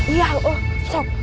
iya uh sop